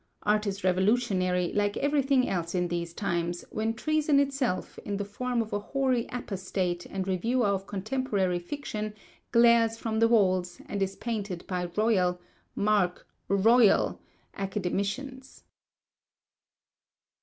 Art is revolutionary, like everything else in these times, when Treason itself, in the form of a hoary apostate and reviewer of contemporary fiction, glares from the walls, and is painted by Royal—mark Royal!—Academicians!